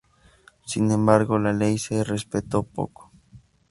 Sin embargo, la ley se respetó poco.